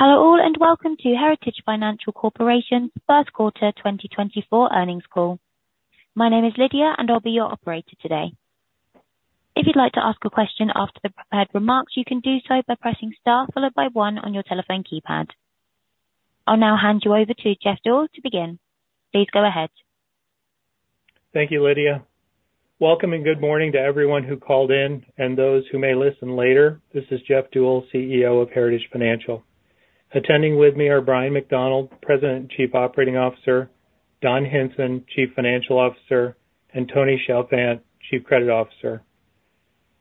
Hello all, and welcome to Heritage Financial Corporation's first quarter 2024 earnings call. My name is Lydia, and I'll be your operator today. If you'd like to ask a question after the prepared remarks, you can do so by pressing star followed by one on your telephone keypad. I'll now hand you over to Jeff Deuel to begin. Please go ahead. Thank you, Lydia. Welcome and good morning to everyone who called in and those who may listen later. This is Jeff Deuel, CEO of Heritage Financial. Attending with me are Bryan McDonald, President and Chief Operating Officer, Don Hinson, Chief Financial Officer, and Tony Chalfant, Chief Credit Officer.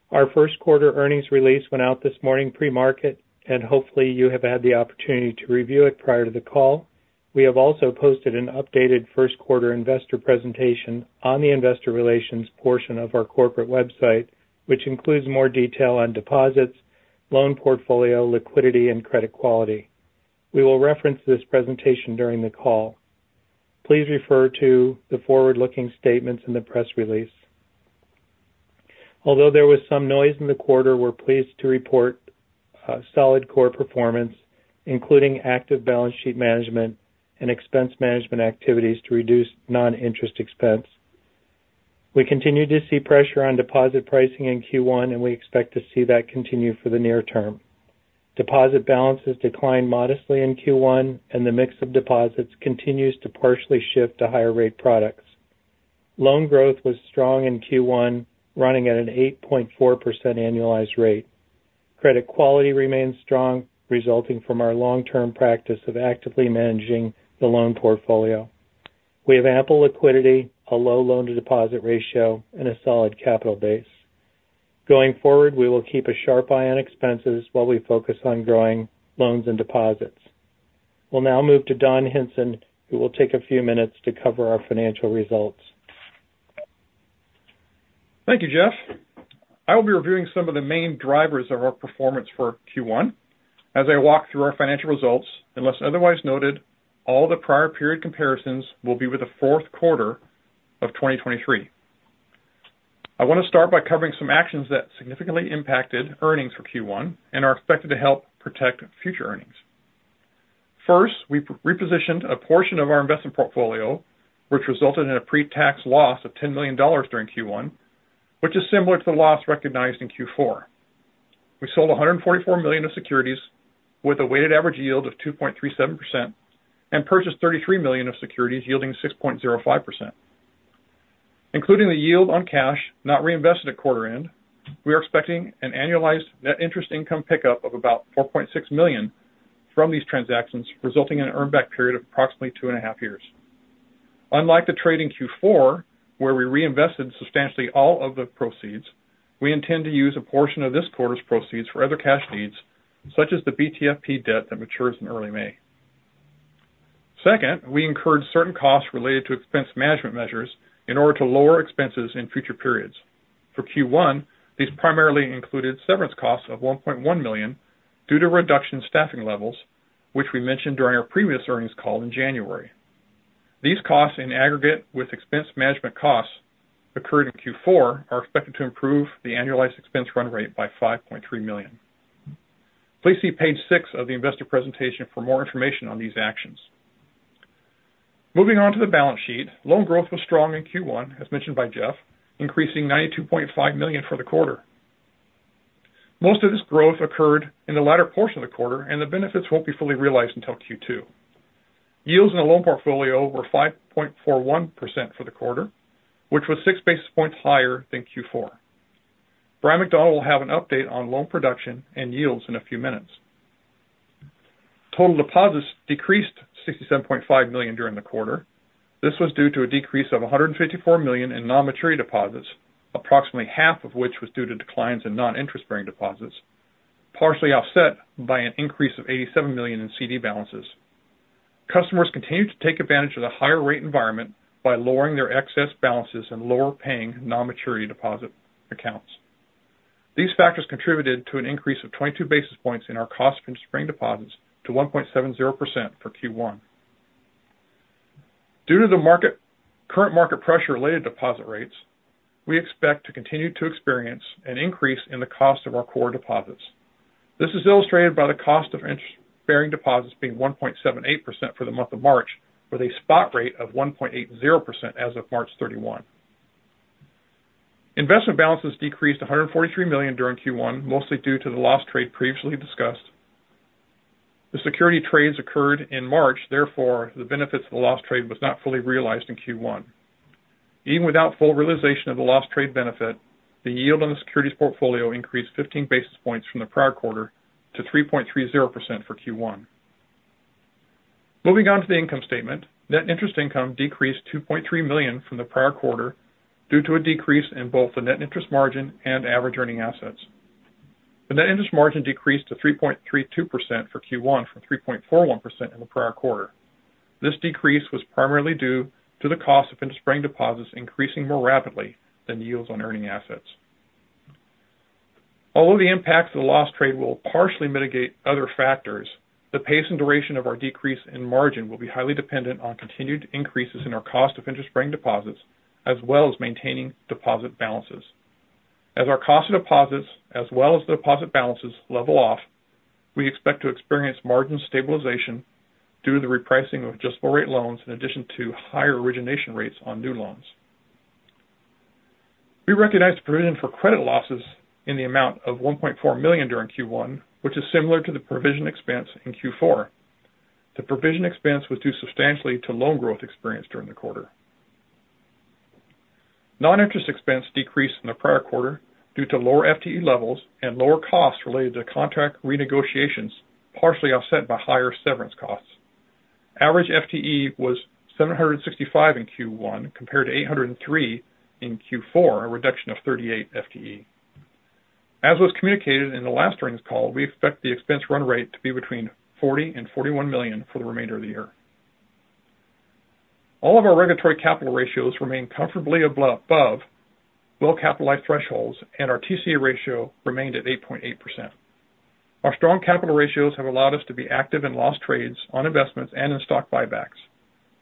Our first quarter earnings release went out this morning pre-market, and hopefully you have had the opportunity to review it prior to the call. We have also posted an updated first quarter investor presentation on the investor relations portion of our corporate website, which includes more detail on deposits, loan portfolio, liquidity, and credit quality. We will reference this presentation during the call. Please refer to the forward-looking statements in the press release. Although there was some noise in the quarter, we're pleased to report solid core performance, including active balance sheet management and expense management activities to reduce non-interest expense. We continue to see pressure on deposit pricing in Q1, and we expect to see that continue for the near term. Deposit balances declined modestly in Q1, and the mix of deposits continues to partially shift to higher rate products. Loan growth was strong in Q1, running at an 8.4% annualized rate. Credit quality remains strong, resulting from our long-term practice of actively managing the loan portfolio. We have ample liquidity, a low loan-to-deposit ratio, and a solid capital base. Going forward, we will keep a sharp eye on expenses while we focus on growing loans and deposits. We'll now move to Don Hinson, who will take a few minutes to cover our financial results. Thank you, Jeff. I will be reviewing some of the main drivers of our performance for Q1. As I walk through our financial results, unless otherwise noted, all the prior period comparisons will be with the fourth quarter of 2023. I want to start by covering some actions that significantly impacted earnings for Q1 and are expected to help protect future earnings. First, we repositioned a portion of our investment portfolio, which resulted in a pre-tax loss of $10 million during Q1, which is similar to the loss recognized in Q4. We sold 144 million of securities with a weighted average yield of 2.37% and purchased 33 million of securities yielding 6.05%. Including the yield on cash not reinvested at quarter end, we are expecting an annualized net interest income pickup of about $4.6 million from these transactions, resulting in an earn back period of approximately 2.5 years. Unlike the trade in Q4, where we reinvested substantially all of the proceeds, we intend to use a portion of this quarter's proceeds for other cash needs, such as the BTFP debt that matures in early May. Second, we incurred certain costs related to expense management measures in order to lower expenses in future periods. For Q1, these primarily included severance costs of $1.1 million due to reduction in staffing levels, which we mentioned during our previous earnings call in January. These costs, in aggregate with expense management costs incurred in Q4, are expected to improve the annualized expense run rate by $5.3 million. Please see page six of the investor presentation for more information on these actions. Moving on to the balance sheet. Loan growth was strong in Q1, as mentioned by Jeff, increasing $92.5 million for the quarter. Most of this growth occurred in the latter portion of the quarter, and the benefits won't be fully realized until Q2. Yields in the loan portfolio were 5.41% for the quarter, which was six basis points higher than Q4. Bryan McDonald will have an update on loan production and yields in a few minutes. Total deposits decreased $67.5 million during the quarter. This was due to a decrease of $154 million in non-maturity deposits, approximately half of which was due to declines in non-interest-bearing deposits, partially offset by an increase of $87 million in CD balances. Customers continued to take advantage of the higher rate environment by lowering their excess balances in lower-paying non-maturity deposit accounts. These factors contributed to an increase of 22 basis points in our cost from core deposits to 1.70% for Q1. Due to the current market pressure-related deposit rates, we expect to continue to experience an increase in the cost of our core deposits. This is illustrated by the cost of interest-bearing deposits being 1.78% for the month of March, with a spot rate of 1.80% as of March 31. Investment balances decreased to $143 million during Q1, mostly due to the loss trade previously discussed. The security trades occurred in March, therefore, the benefits of the loss trade was not fully realized in Q1. Even without full realization of the loss trade benefit, the yield on the securities portfolio increased 15 basis points from the prior quarter to 3.30% for Q1. Moving on to the income statement. Net interest income decreased $2.3 million from the prior quarter due to a decrease in both the net interest margin and average earning assets. The net interest margin decreased to 3.32% for Q1 from 3.41% in the prior quarter. This decrease was primarily due to the cost of interest-bearing deposits increasing more rapidly than the yields on earning assets. Although the impacts of the loss trade will partially mitigate other factors, the pace and duration of our decrease in margin will be highly dependent on continued increases in our cost of interest-bearing deposits, as well as maintaining deposit balances. As our cost of deposits as well as the deposit balances level off, we expect to experience margin stabilization due to the repricing of adjustable-rate loans, in addition to higher origination rates on new loans. We recognized provision for credit losses in the amount of $1.4 million during Q1, which is similar to the provision expense in Q4. The provision expense was due substantially to loan growth experience during the quarter. Non-interest expense decreased in the prior quarter due to lower FTE levels and lower costs related to contract renegotiations, partially offset by higher severance costs. Average FTE was 765 in Q1 compared to 803 in Q4, a reduction of 38 FTE. As was communicated in the last earnings call, we expect the expense run rate to be between $40 million and $41 million for the remainder of the year. All of our regulatory capital ratios remain comfortably above well-capitalized thresholds, and our TCE ratio remained at 8.8%. Our strong capital ratios have allowed us to be active in loss trades on investments and in stock buybacks.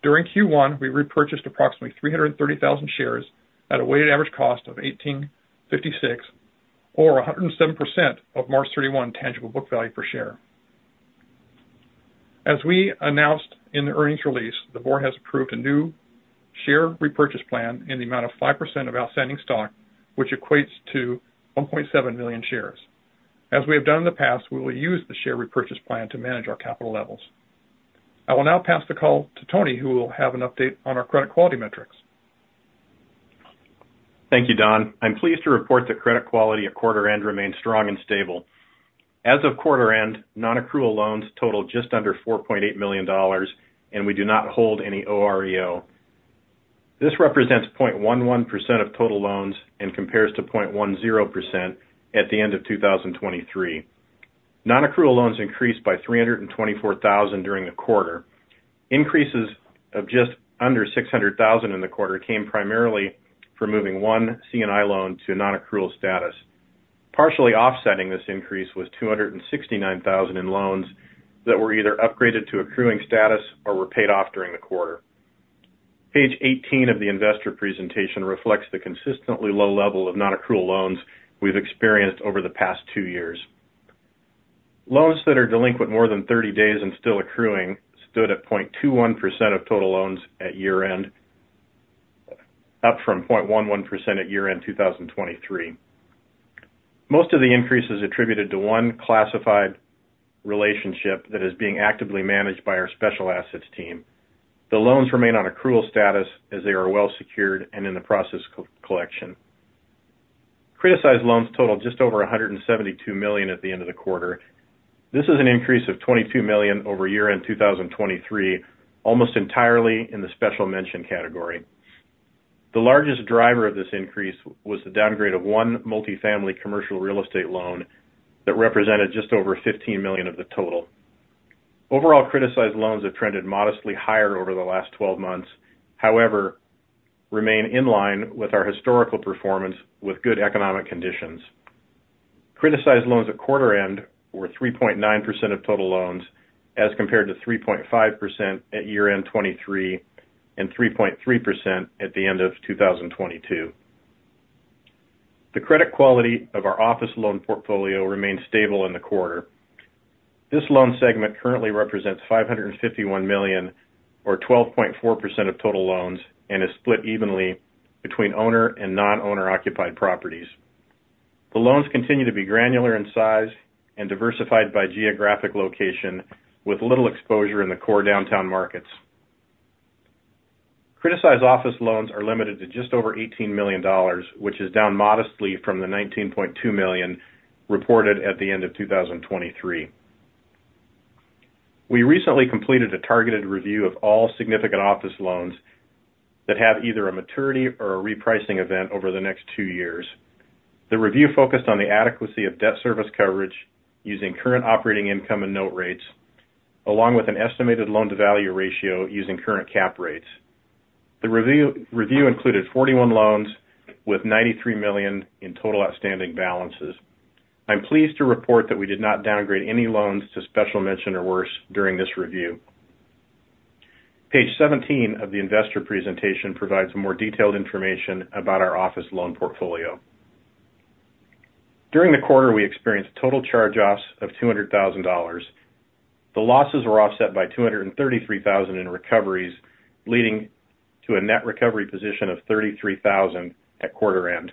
During Q1, we repurchased approximately 330,000 shares at a weighted average cost of $18.56, or 107% of March 31 tangible book value per share. As we announced in the earnings release, the board has approved a new share repurchase plan in the amount of 5% of outstanding stock, which equates to 1.7 million shares. As we have done in the past, we will use the share repurchase plan to manage our capital levels. I will now pass the call to Tony, who will have an update on our credit quality metrics. Thank you, Don. I'm pleased to report that credit quality at quarter end remains strong and stable. As of quarter end, nonaccrual loans totaled just under $4.8 million, and we do not hold any OREO. This represents 0.11% of total loans and compares to 0.10% at the end of 2023. Nonaccrual loans increased by $324,000 during the quarter. Increases of just under $600,000 in the quarter came primarily from moving one C&I loan to nonaccrual status. Partially offsetting this increase was $269,000 in loans that were either upgraded to accruing status or were paid off during the quarter. Page 18 of the investor presentation reflects the consistently low level of nonaccrual loans we've experienced over the past two years. Loans that are delinquent more than 30 days and still accruing stood at 0.21% of total loans at year-end, up from 0.11% at year-end 2023. Most of the increase is attributed to one classified relationship that is being actively managed by our special assets team. The loans remain on accrual status as they are well secured and in the process of collection. Criticized loans totaled just over $172 million at the end of the quarter. This is an increase of $22 million over year-end 2023, almost entirely in the Special Mention category. The largest driver of this increase was the downgrade of one multifamily commercial real estate loan that represented just over $15 million of the total. Overall, criticized loans have trended modestly higher over the last 12 months, however, remain in line with our historical performance with good economic conditions. Criticized loans at quarter end were 3.9% of total loans, as compared to 3.5% at year-end 2023 and 3.3% at the end of 2022. The credit quality of our office loan portfolio remained stable in the quarter. This loan segment currently represents $551 million, or 12.4% of total loans, and is split evenly between owner and non-owner-occupied properties. The loans continue to be granular in size and diversified by geographic location, with little exposure in the core downtown markets. Criticized office loans are limited to just over $18 million, which is down modestly from the $19.2 million reported at the end of 2023. We recently completed a targeted review of all significant office loans that have either a maturity or a repricing event over the next two years. The review focused on the adequacy of debt service coverage using current operating income and note rates, along with an estimated loan-to-value ratio using current cap rates. The review included 41 loans with $93 million in total outstanding balances. I'm pleased to report that we did not downgrade any loans to Special Mention or worse during this review. Page 17 of the investor presentation provides more detailed information about our office loan portfolio. During the quarter, we experienced total charge-offs of $200,000. The losses were offset by $233,000 in recoveries, leading to a net recovery position of $33,000 at quarter end.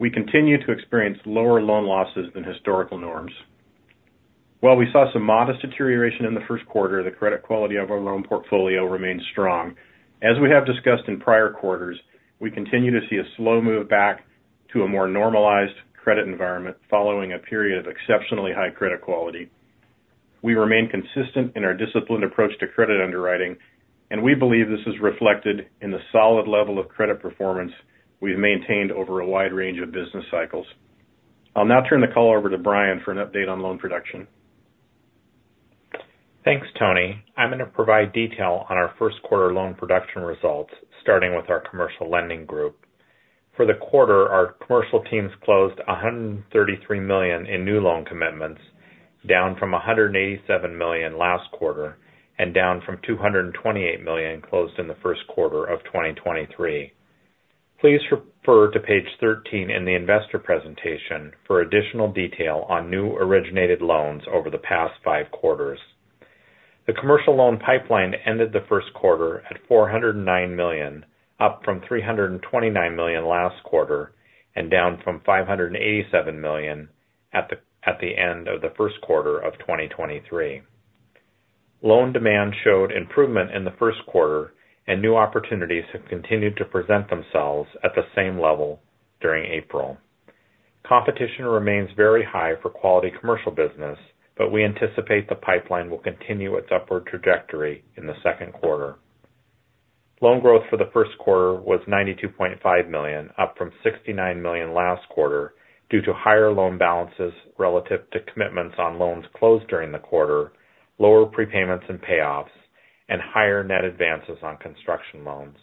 We continue to experience lower loan losses than historical norms. While we saw some modest deterioration in the first quarter, the credit quality of our loan portfolio remains strong. As we have discussed in prior quarters, we continue to see a slow move back to a more normalized credit environment following a period of exceptionally high credit quality. We remain consistent in our disciplined approach to credit underwriting, and we believe this is reflected in the solid level of credit performance we've maintained over a wide range of business cycles. I'll now turn the call over to Bryan for an update on loan production. Thanks, Tony. I'm going to provide detail on our first quarter loan production results, starting with our commercial lending group. For the quarter, our commercial teams closed $133 million in new loan commitments.... down from $187 million last quarter and down from $228 million closed in the first quarter of 2023. Please refer to page 13 in the investor presentation for additional detail on new originated loans over the past five quarters. The commercial loan pipeline ended the first quarter at $409 million, up from $329 million last quarter, and down from $587 million at the end of the first quarter of 2023. Loan demand showed improvement in the first quarter, and new opportunities have continued to present themselves at the same level during April. Competition remains very high for quality commercial business, but we anticipate the pipeline will continue its upward trajectory in the second quarter. Loan growth for the first quarter was $92.5 million, up from $69 million last quarter, due to higher loan balances relative to commitments on loans closed during the quarter, lower prepayments and payoffs, and higher net advances on construction loans.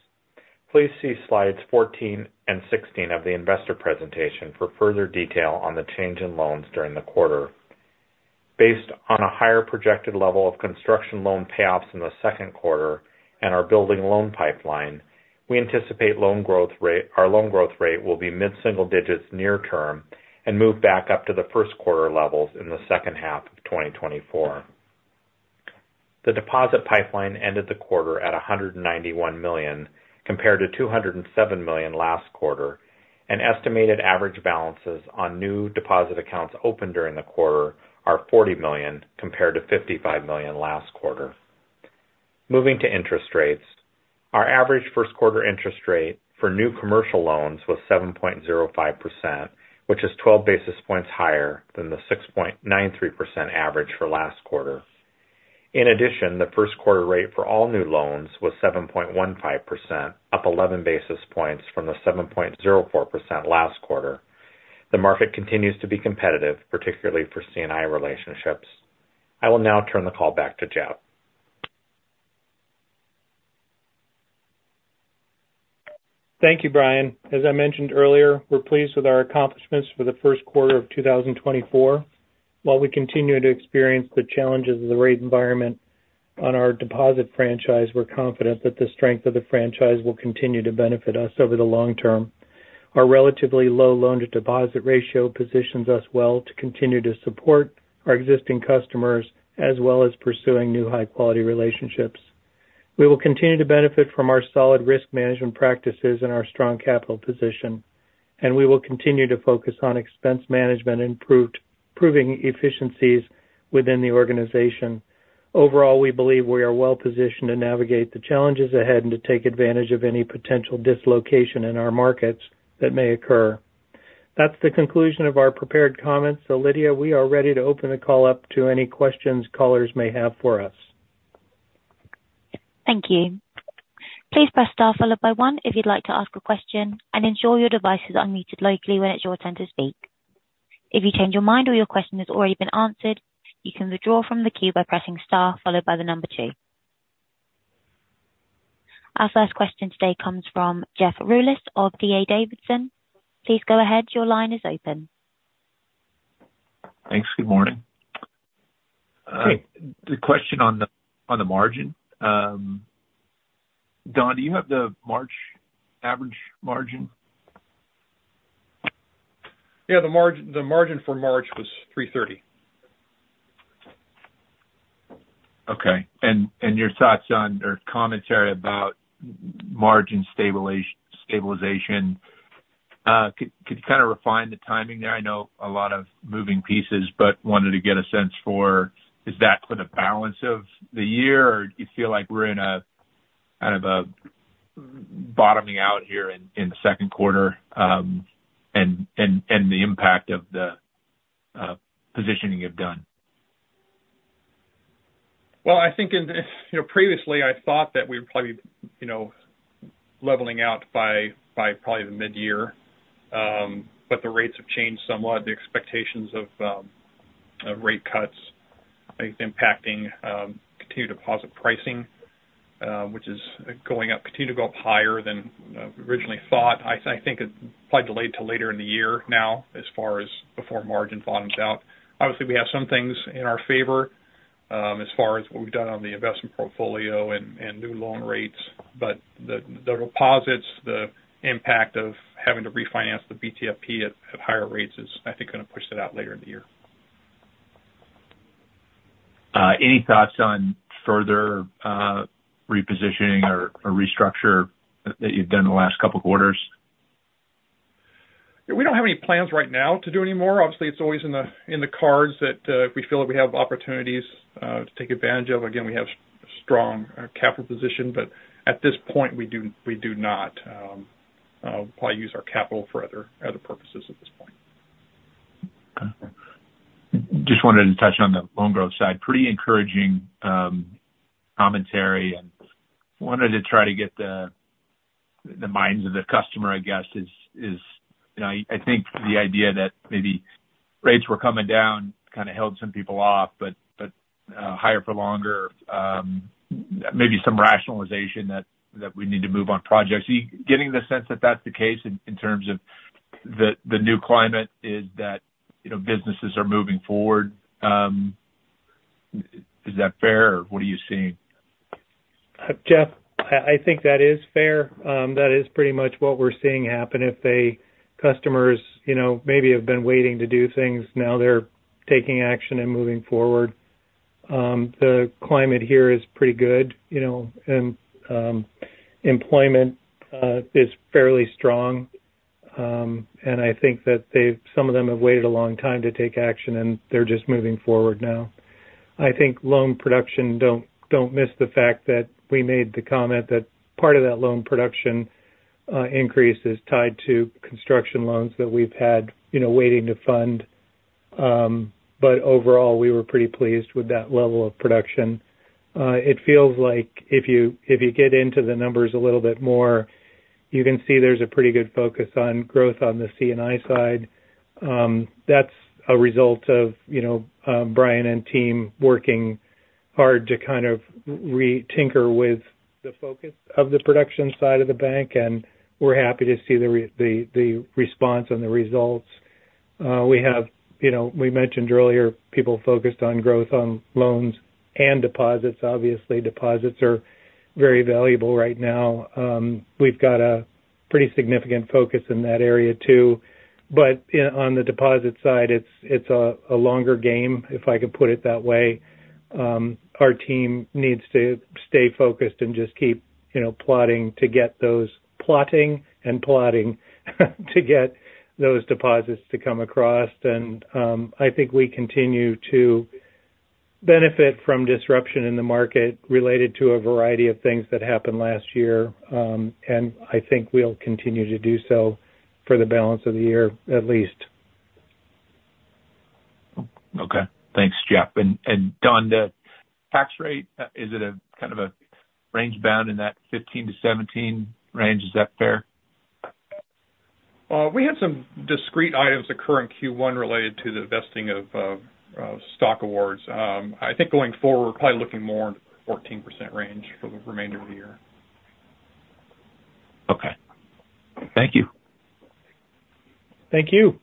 Please see slides 14 and 16 of the investor presentation for further detail on the change in loans during the quarter. Based on a higher projected level of construction loan payoffs in the second quarter and our building loan pipeline, we anticipate our loan growth rate will be mid-single digits near term and move back up to the first quarter levels in the second half of 2024. The deposit pipeline ended the quarter at $191 million, compared to $207 million last quarter, and estimated average balances on new deposit accounts opened during the quarter are $40 million, compared to $55 million last quarter. Moving to interest rates. Our average first quarter interest rate for new commercial loans was 7.05%, which is 12 basis points higher than the 6.93% average for last quarter. In addition, the first quarter rate for all new loans was 7.15%, up 11 basis points from the 7.04% last quarter. The market continues to be competitive, particularly for C&I relationships. I will now turn the call back to Jeff. Thank you, Bryan. As I mentioned earlier, we're pleased with our accomplishments for the first quarter of 2024. While we continue to experience the challenges of the rate environment on our deposit franchise, we're confident that the strength of the franchise will continue to benefit us over the long term. Our relatively low loan-to-deposit ratio positions us well to continue to support our existing customers, as well as pursuing new high-quality relationships. We will continue to benefit from our solid risk management practices and our strong capital position, and we will continue to focus on expense management, improving efficiencies within the organization. Overall, we believe we are well positioned to navigate the challenges ahead and to take advantage of any potential dislocation in our markets that may occur. That's the conclusion of our prepared comments. Lydia, we are ready to open the call up to any questions callers may have for us. Thank you. Please press star followed by one if you'd like to ask a question, and ensure your device is unmuted locally when it's your turn to speak. If you change your mind or your question has already been answered, you can withdraw from the queue by pressing Star followed by the number two. Our first question today comes from Jeff Rulis of D.A. Davidson. Please go ahead. Your line is open. Thanks. Good morning. Great. The question on the margin. Don, do you have the March average margin? Yeah, the margin, the margin for March was 3.30. Okay. And your thoughts on or commentary about margin stabilization. Could you kind of refine the timing there? I know a lot of moving pieces, but wanted to get a sense for, is that for the balance of the year, or do you feel like we're in a kind of a bottoming out here in the second quarter, and the impact of the positioning you've done? Well, I think in the... You know, previously, I thought that we were probably, you know, leveling out by probably the mid-year, but the rates have changed somewhat. The expectations of rate cuts, I think, impacting continued deposit pricing, which is going up, continue to go up higher than originally thought. I think it's probably delayed till later in the year now, as far as before margin bottoms out. Obviously, we have some things in our favor, as far as what we've done on the investment portfolio and new loan rates, but the deposits, the impact of having to refinance the BTFP at higher rates is, I think, gonna push that out later in the year. Any thoughts on further repositioning or restructure that you've done in the last couple quarters? We don't have any plans right now to do any more. Obviously, it's always in the cards that if we feel like we have opportunities to take advantage of, again, we have strong capital position, but at this point, we do not probably use our capital for other purposes at this point. Okay. Just wanted to touch on the loan growth side. Pretty encouraging commentary, and wanted to try to get the minds of the customer, I guess, is, you know, I think the idea that maybe rates were coming down kind of held some people off, but higher for longer, maybe some rationalization that we need to move on projects. Are you getting the sense that that's the case in terms of kind of the new climate is that, you know, businesses are moving forward. Is that fair, or what are you seeing? Jeff, I think that is fair. That is pretty much what we're seeing happen. If they, customers, you know, maybe have been waiting to do things, now they're taking action and moving forward. The climate here is pretty good, you know, and employment is fairly strong. And I think that they've some of them have waited a long time to take action, and they're just moving forward now. I think loan production, don't miss the fact that we made the comment that part of that loan production increase is tied to construction loans that we've had, you know, waiting to fund. But overall, we were pretty pleased with that level of production. It feels like if you, if you get into the numbers a little bit more, you can see there's a pretty good focus on growth on the C&I side. That's a result of, you know, Bryan and team working hard to kind of re-tinker with the focus of the production side of the bank, and we're happy to see the, the response and the results. We have, you know, we mentioned earlier, people focused on growth on loans and deposits. Obviously, deposits are very valuable right now. We've got a pretty significant focus in that area, too. But on the deposit side, it's a longer game, if I could put it that way. Our team needs to stay focused and just keep, you know, plotting to get those deposits to come across. I think we continue to benefit from disruption in the market related to a variety of things that happened last year. I think we'll continue to do so for the balance of the year, at least. Okay. Thanks, Jeff. And Don, the tax rate is it a kind of a range bound in that 15%-17% range? Is that fair? We had some discrete items occur in Q1 related to the vesting of stock awards. I think going forward, we're probably looking more in the 14% range for the remainder of the year. Okay. Thank you. Thank you.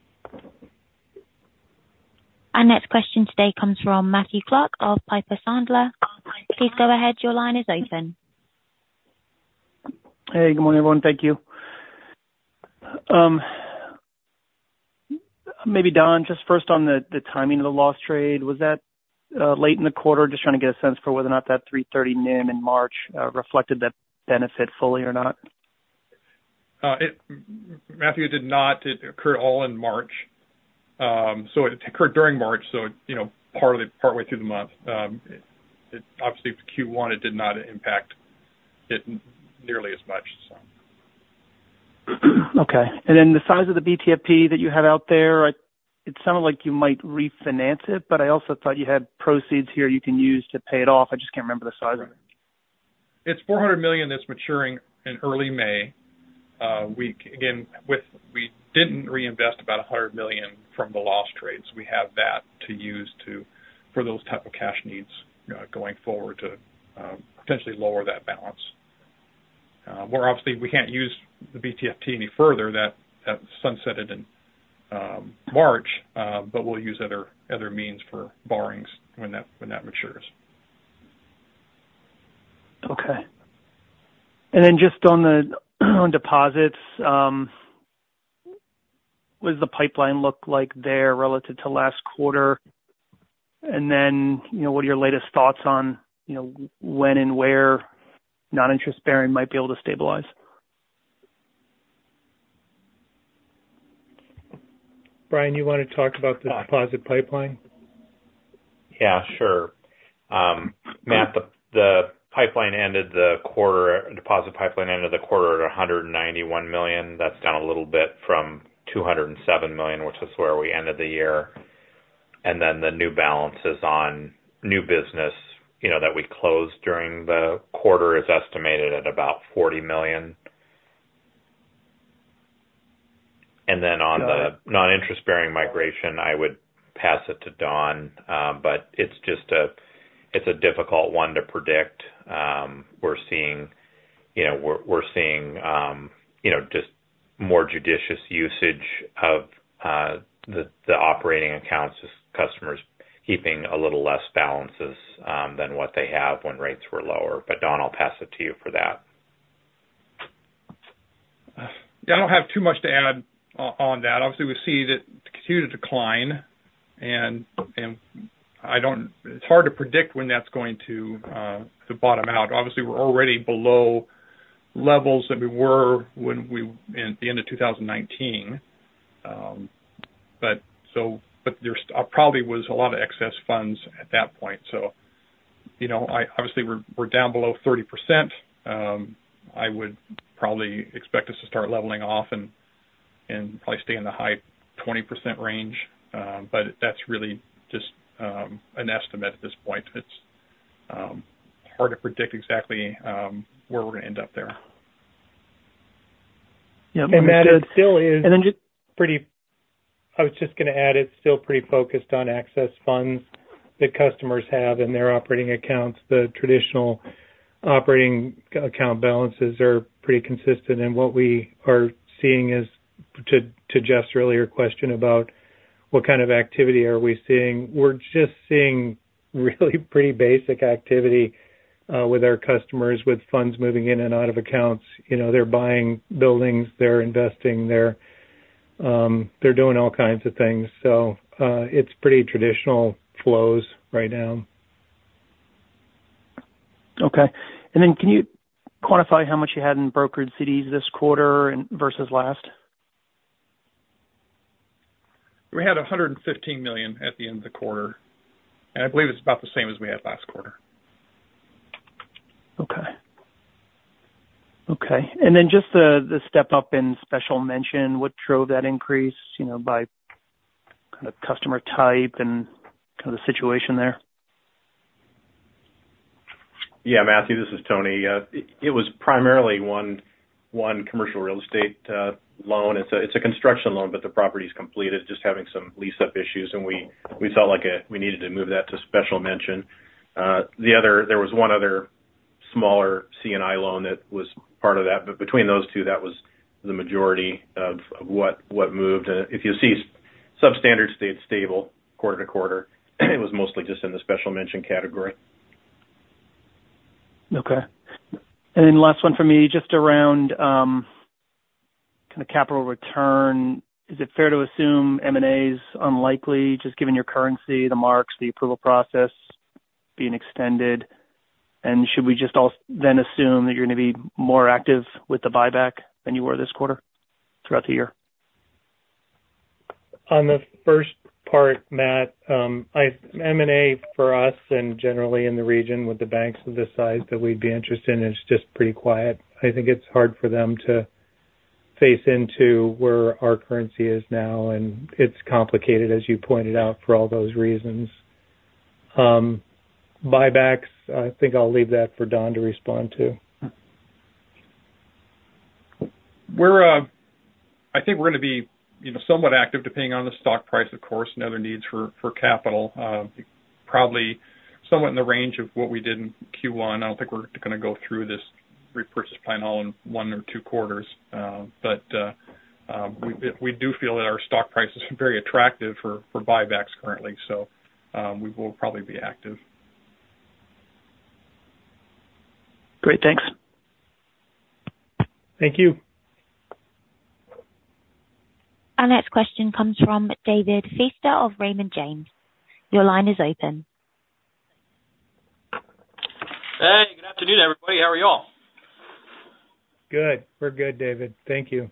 Our next question today comes from Matthew Clark of Piper Sandler. Please go ahead. Your line is open. Hey, good morning, everyone. Thank you. Maybe Don, just first on the timing of the loss trade, was that late in the quarter? Just trying to get a sense for whether or not that 3.30 NIM in March reflected that benefit fully or not. Matthew, it did not. It occurred all in March. So, it occurred during March, so, you know, partly, partway through the month. It, obviously for Q1, it did not impact it nearly as much, so. Okay. And then the size of the BTFP that you had out there, it sounded like you might refinance it, but I also thought you had proceeds here you can use to pay it off. I just can't remember the size of it. It's $400 million that's maturing in early May. We again, we didn't reinvest about $100 million from the loss trades. We have that to use to, for those type of cash needs, going forward to, potentially lower that balance. We're obviously, we can't use the BTFP any further. That, that sunsetted in, March, but we'll use other, other means for borrowings when that, when that matures. Okay. And then just on the, on deposits, what does the pipeline look like there relative to last quarter? And then, you know, what are your latest thoughts on, you know, when and where non-interest-bearing might be able to stabilize? Bryan, you want to talk about the deposit pipeline? Yeah, sure. Matt, the pipeline ended the quarter, deposit pipeline ended the quarter at $191 million. That's down a little bit from $207 million, which is where we ended the year. And then the new balances on new business, you know, that we closed during the quarter is estimated at about $40 million. And then on the non-interest bearing migration, I would pass it to Don, but it's just a difficult one to predict. We're seeing, you know, just more judicious usage of the operating accounts as customers keeping a little less balances than what they have when rates were lower. But Don, I'll pass it to you for that. I don't have too much to add on that. Obviously, we see that it continued to decline, and I don't. It's hard to predict when that's going to bottom out. Obviously, we're already below levels that we were when we in the end of 2019. But there's probably was a lot of excess funds at that point. So, you know, obviously we're down below 30%. I would probably expect us to start leveling off and probably stay in the high 20% range. But that's really just an estimate at this point. It's hard to predict exactly where we're going to end up there. Yeah. And that is still. And then just pretty-... I was just going to add, it's still pretty focused on excess funds that customers have in their operating accounts. The traditional operating account balances are pretty consistent, and what we are seeing is to Jeff's earlier question about what kind of activity are we seeing? We're just seeing really pretty basic activity with our customers, with funds moving in and out of accounts. You know, they're buying buildings, they're investing, they're doing all kinds of things. So, it's pretty traditional flows right now. Okay. And then can you quantify how much you had in brokered CDs this quarter and versus last? We had $115 million at the end of the quarter, and I believe it's about the same as we had last quarter. Okay. Okay, and then just the step up in Special Mention, what drove that increase, you know, by kind of customer type and kind of the situation there? Yeah, Matthew, this is Tony. It was primarily one commercial real estate loan. It's a construction loan, but the property is completed, just having some lease-up issues, and we felt like we needed to move that to Special Mention. The other, there was one other smaller C&I loan that was part of that, but between those two, that was the majority of what moved. If you see, Substandard stayed stable quarter-to-quarter, it was mostly just in the Special Mention category. Okay. And then last one for me, just around kind of capital return. Is it fair to assume M&A is unlikely, just given your currency, the marks, the approval process being extended? And should we just then assume that you're going to be more active with the buyback than you were this quarter throughout the year? On the first part, Matt, M&A for us and generally in the region with the banks of this size that we'd be interested in, is just pretty quiet. I think it's hard for them to face into where our currency is now, and it's complicated, as you pointed out, for all those reasons. Buybacks, I think I'll leave that for Don to respond to. We're, I think we're going to be, you know, somewhat active, depending on the stock price, of course, and other needs for, for capital. Probably somewhat in the range of what we did in Q1. I don't think we're gonna go through this repurchase plan all in one or two quarters. But we, we do feel that our stock price is very attractive for, for buybacks currently, so we will probably be active. Great. Thanks. Thank you. Our next question comes from David Feaster of Raymond James. Your line is open. Hey, good afternoon, everybody. How are you all? Good. We're good, David. Thank you.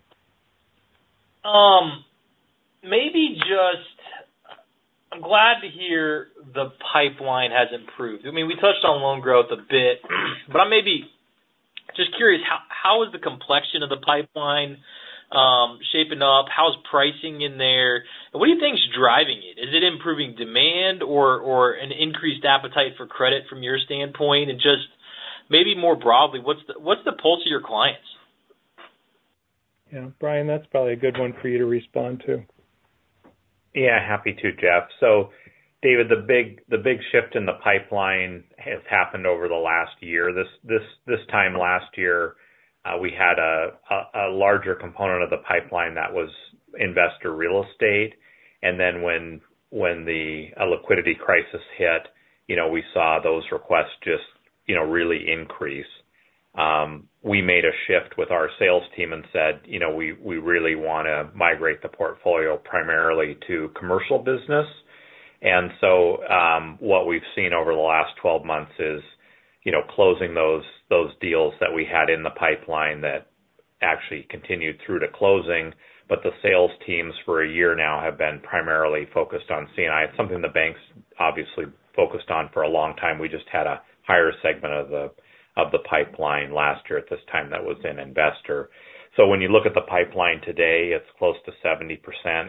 Maybe just, I'm glad to hear the pipeline has improved. I mean, we touched on loan growth a bit, but I'm maybe just curious, how is the complexion of the pipeline shaping up? How's pricing in there, and what do you think is driving it? Is it improving demand or an increased appetite for credit from your standpoint? And just maybe more broadly, what's the pulse of your clients? Yeah, Bryan, that's probably a good one for you to respond to. Yeah, happy to, Jeff. So David, the big shift in the pipeline has happened over the last year. This time last year, we had a larger component of the pipeline that was investor real estate, and then when the liquidity crisis hit, you know, we saw those requests just, you know, really increase. We made a shift with our sales team and said, "You know, we really wanna migrate the portfolio primarily to commercial business." And so, what we've seen over the last 12 months is, you know, closing those deals that we had in the pipeline that actually continued through to closing, but the sales teams for a year now have been primarily focused on C&I. It's something the bank's obviously focused on for a long time. We just had a higher segment of the, of the pipeline last year at this time that was in investor. So when you look at the pipeline today, it's close to 70%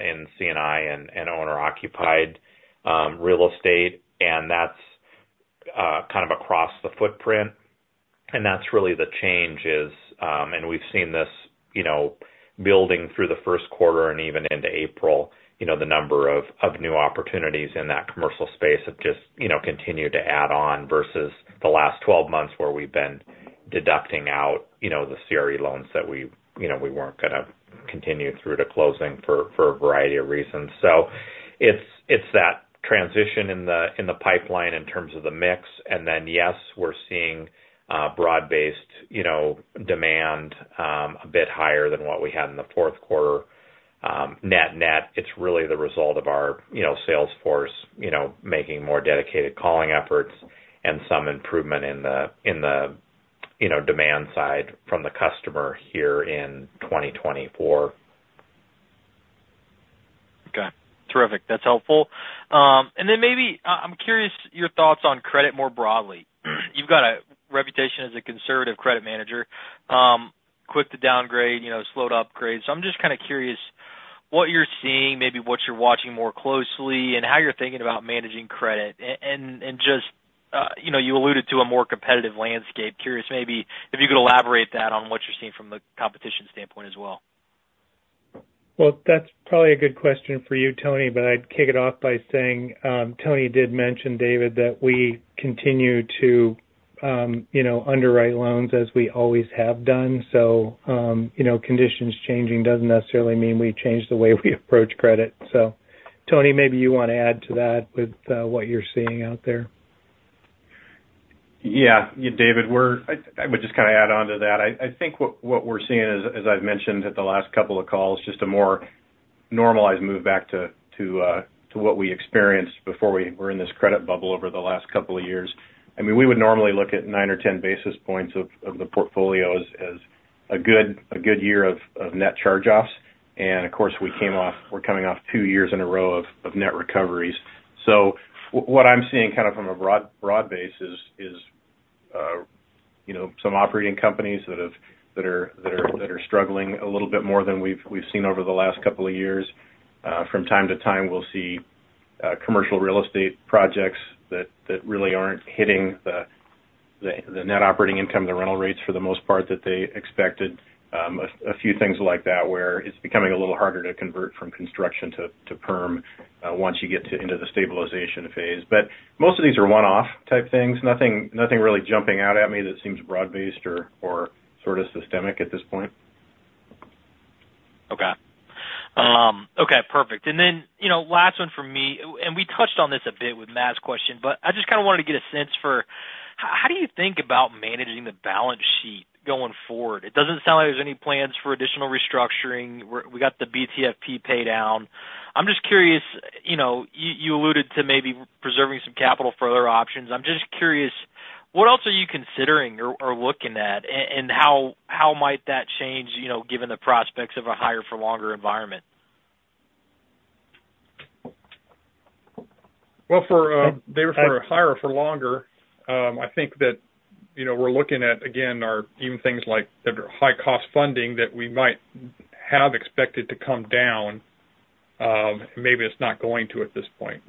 in C&I and owner-occupied real estate, and that's kind of across the footprint. And that's really the change is -- and we've seen this, you know, building through the first quarter and even into April, you know, the number of new opportunities in that commercial space have just, you know, continued to add on versus the last twelve months, where we've been deducting out, you know, the CRE loans that we, you know, we weren't gonna continue through to closing for a variety of reasons. So it's that transition in the pipeline in terms of the mix, and then, yes, we're seeing broad-based, you know, demand a bit higher than what we had in the fourth quarter. Net-net, it's really the result of our, you know, sales force, you know, making more dedicated calling efforts and some improvement in the demand side from the customer here in 2024. Okay, terrific. That's helpful. And then maybe, I'm curious your thoughts on credit more broadly. You've got a reputation as a conservative credit manager, quick to downgrade, you know, slow to upgrade. So I'm just kind of curious what you're seeing, maybe what you're watching more closely, and how you're thinking about managing credit. And just, you know, you alluded to a more competitive landscape. Curious, maybe if you could elaborate that on what you're seeing from the competition standpoint as well. Well, that's probably a good question for you, Tony, but I'd kick it off by saying, Tony did mention, David, that we continue to, you know, underwrite loans as we always have done. So, you know, conditions changing doesn't necessarily mean we change the way we approach credit. So Tony, maybe you want to add to that with what you're seeing out there. Yeah. David, we're—I would just kind of add on to that. I think what we're seeing, as I've mentioned at the last couple of calls, just a more normalized move back to what we experienced before we were in this credit bubble over the last couple of years. I mean, we would normally look at nine or 10 basis points of the portfolios as a good year of net charge-offs. And of course, we're coming off two years in a row of net recoveries. So what I'm seeing, kind of, from a broad base is, you know, some operating companies that are struggling a little bit more than we've seen over the last couple of years. From time to time, we'll see commercial real estate projects that really aren't hitting the net operating income, the rental rates for the most part, that they expected. A few things like that, where it's becoming a little harder to convert from construction to perm once you get into the stabilization phase. But most of these are one-off type things. Nothing really jumping out at me that seems broad-based or sort of systemic at this point. Okay. Okay, perfect. And then, you know, last one for me, and we touched on this a bit with Matt's question, but I just kind of wanted to get a sense for how do you think about managing the balance sheet going forward? It doesn't sound like there's any plans for additional restructuring. We got the BTFP pay down. I'm just curious, you know, you alluded to maybe preserving some capital for other options. I'm just curious, what else are you considering or looking at, and how might that change, you know, given the prospects of a higher for longer environment? Well, for a higher for longer, I think that, you know, we're looking at, again, our even things like that are high cost funding that we might have expected to come down, maybe it's not going to at this point.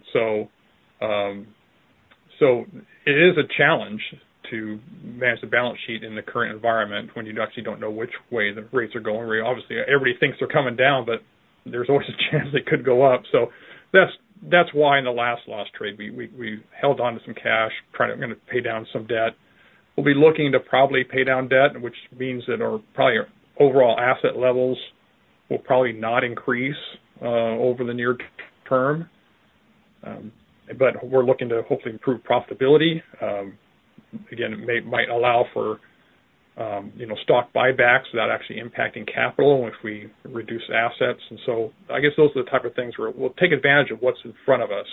So, it is a challenge to manage the balance sheet in the current environment when you actually don't know which way the rates are going. Obviously, everybody thinks they're coming down, but there's always a chance they could go up. So that's why in the last quarter, we held on to some cash, trying to pay down some debt. We'll be looking to probably pay down debt, which means that our probably overall asset levels will probably not increase over the near term. But we're looking to hopefully improve profitability. Again, it might allow for, you know, stock buybacks without actually impacting capital if we reduce assets. So I guess those are the type of things where we'll take advantage of what's in front of us,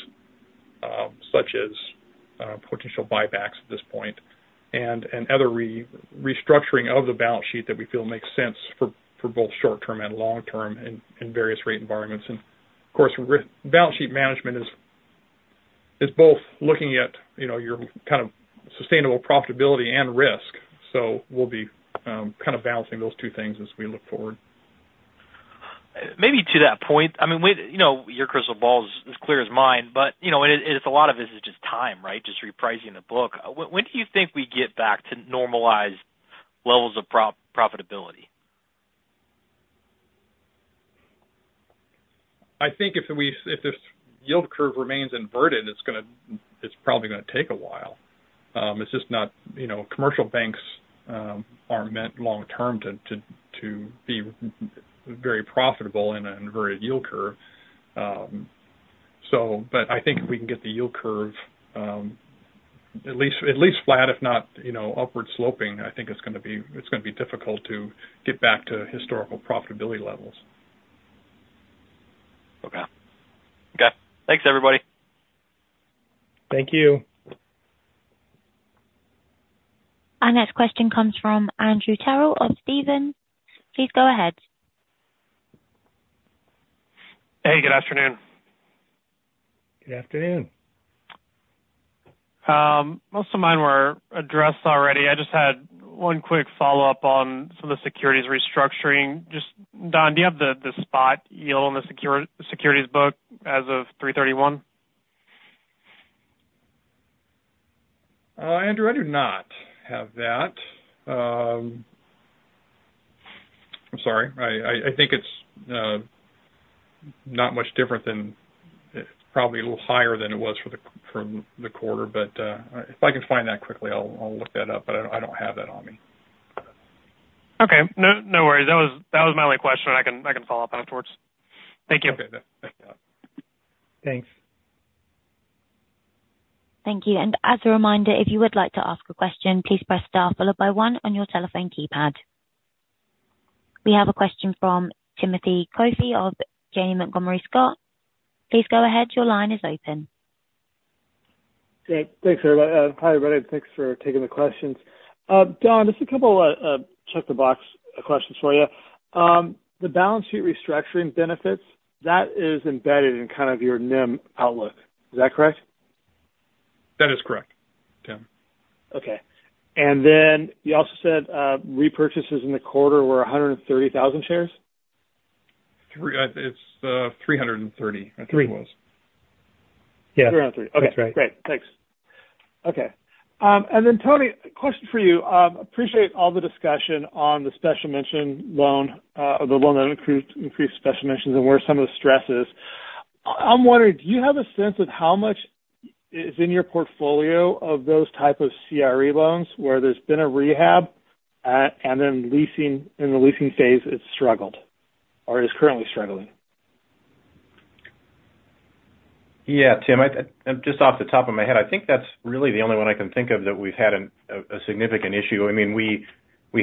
such as potential buybacks at this point, and other restructuring of the balance sheet that we feel makes sense for both short-term and long-term, and various rate environments. Of course, balance sheet management is both looking at, you know, your kind of sustainable profitability and risk. We'll be kind of balancing those two things as we look forward. Maybe to that point, I mean, you know, your crystal ball is as clear as mine, but, you know, and it's a lot of this is just time, right? Just repricing the book. When do you think we get back to normalized levels of profitability? I think if this yield curve remains inverted, it's probably gonna take a while. It's just not, you know, commercial banks are meant long term to be very profitable in an inverted yield curve. So but I think if we can get the yield curve at least flat, if not, you know, upward sloping, I think it's gonna be difficult to get back to historical profitability levels. Okay. Okay, thanks, everybody. Thank you. Our next question comes from Andrew Terrell of Stephens. Please go ahead. Hey, good afternoon. Good afternoon. Most of mine were addressed already. I just had one quick follow-up on some of the securities restructuring. Just, Don, do you have the spot yield on the securities book as of March 31? Andrew, I do not have that. I'm sorry. I think it's not much different than, probably a little higher than it was for the quarter, but if I can find that quickly, I'll look that up, but I don't have that on me. Okay. No, no worries. That was, that was my only question, and I can, I can follow up on it afterwards. Thank you. Okay. Yeah. Thanks. Thank you. As a reminder, if you would like to ask a question, please press star followed by one on your telephone keypad. We have a question from Timothy Coffey of Janney Montgomery Scott. Please go ahead. Your line is open. Great. Thanks, everybody. Hi, everybody, and thanks for taking the questions. Don, just a couple of check the box questions for you. The balance sheet restructuring benefits, that is embedded in kind of your NIM outlook, is that correct? That is correct, Tim. Okay. And then you also said, repurchases in the quarter were 130,000 shares? ... Three, I, it's 330, I think it was. Three. Yeah. 330. That's right. Okay, great. Thanks. Okay. And then Tony, a question for you. Appreciate all the discussion on the Special Mention loan, or the loan that increased, increased Special Mentions and where some of the stress is. I'm wondering, do you have a sense of how much is in your portfolio of those type of CRE loans, where there's been a rehab, and then leasing, in the leasing phase, it's struggled or is currently struggling? Yeah, Tim, I just off the top of my head, I think that's really the only one I can think of that we've had a significant issue. I mean, we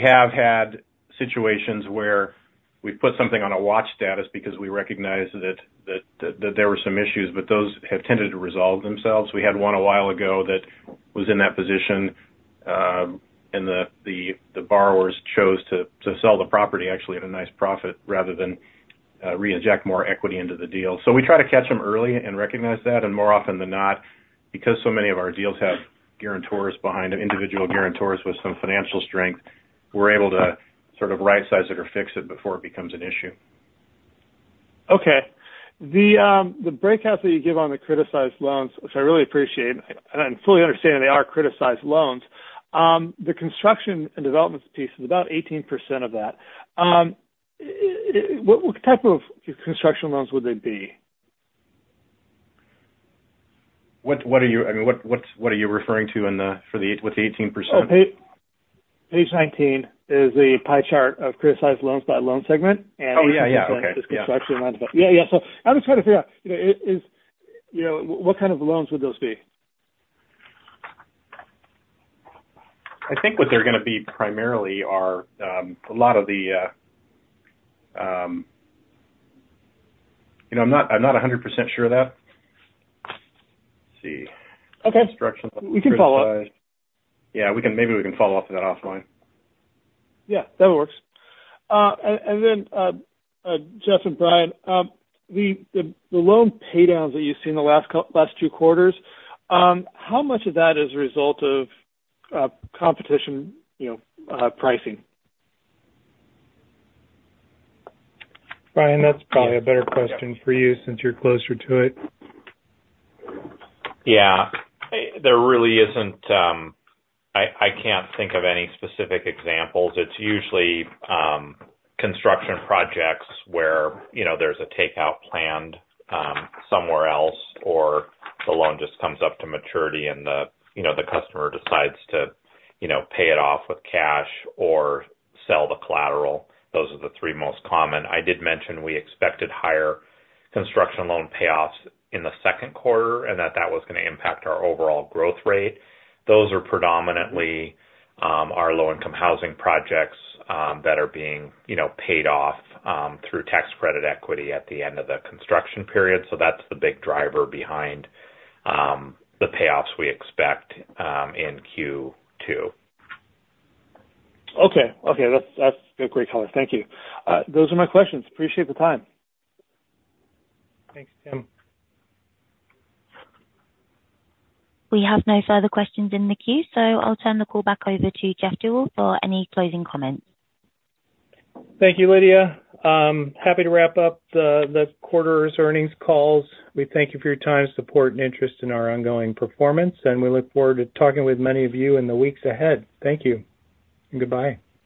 have had situations where we've put something on a watch status because we recognized that there were some issues, but those have tended to resolve themselves. We had one a while ago that was in that position, and the borrowers chose to sell the property actually at a nice profit rather than reinject more equity into the deal. So we try to catch them early and recognize that, and more often than not, because so many of our deals have guarantors behind them, individual guarantors with some financial strength, we're able to sort of right-size it or fix it before it becomes an issue. Okay. The, the breakouts that you give on the criticized loans, which I really appreciate, and I fully understand they are criticized loans. The construction and development piece is about 18% of that. What type of construction loans would they be? What are you—I mean, what are you referring to in the—for the with the 18%? Page 19 is the pie chart of criticized loans by loan segment. Oh, yeah, yeah. Okay. Yeah, yeah. So I'm just trying to figure out, you know, is, you know, what kind of loans would those be? I think what they're gonna be primarily are a lot of the. You know, I'm not, I'm not 100% sure of that. Let's see. Okay. Construction- We can follow up. Yeah, we can, maybe we can follow up on that offline. Yeah, that works. And then, Jeff and Bryan, the loan paydowns that you've seen in the last two quarters, how much of that is a result of competition, you know, pricing? Bryan, that's probably a better question for you since you're closer to it. Yeah. There really isn't... I, I can't think of any specific examples. It's usually, construction projects where, you know, there's a takeout planned, somewhere else, or the loan just comes up to maturity and the, you know, the customer decides to, you know, pay it off with cash or sell the collateral. Those are the three most common. I did mention we expected higher construction loan payoffs in the second quarter, and that that was gonna impact our overall growth rate. Those are predominantly, our low-income housing projects, that are being, you know, paid off, through tax credit equity at the end of the construction period. So that's the big driver behind, the payoffs we expect, in Q2. Okay. Okay, that's, that's a great color. Thank you. Those are my questions. Appreciate the time. Thanks, Tim. We have no further questions in the queue, so I'll turn the call back over to Jeff Deuel for any closing comments. Thank you, Lydia. Happy to wrap up the quarter's earnings calls. We thank you for your time, support, and interest in our ongoing performance, and we look forward to talking with many of you in the weeks ahead. Thank you. Goodbye.